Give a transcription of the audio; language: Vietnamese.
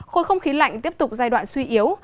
khối không khí lạnh tiếp tục giai đoạn suy yếu